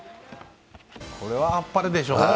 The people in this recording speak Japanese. これはあっぱれですよね。